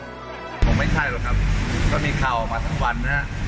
ผมไม่ใช่หรอกครับก็มีข่าวออกมาทั้งวันนะฮะ